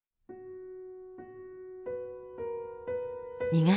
２月。